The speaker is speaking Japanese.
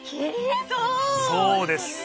そうです。